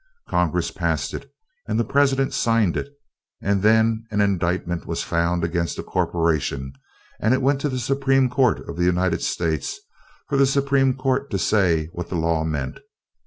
Congress passed it and the President signed it, and then an indictment was found against a corporation, and it went to the Supreme Court of the United States for the Supreme Court to say what the law meant.